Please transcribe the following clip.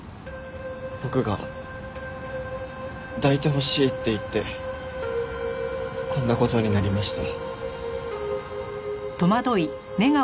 僕が抱いてほしいって言ってこんな事になりました。